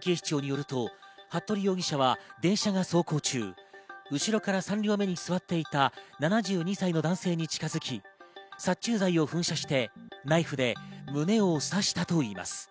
警視庁によると服部容疑者は電車が走行中、後から３両目に座っていた７２歳の男性に近づき殺虫剤を噴射してナイフで胸を刺したといいます。